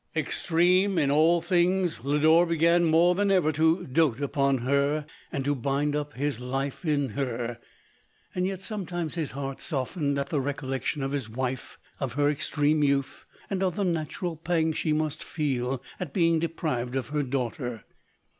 Extreme in all things, Lodore began more than ever to doat upon her and to bind up his life in her. Yet sometimes his heart softened at the recollec tion of his wife, of her extreme youth, and of the natural pang she must feel at being deprived of her daughter.